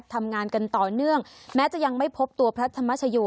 ทำงานกันต่อเนื่องแม้จะยังไม่พบตัวพระธรรมชโย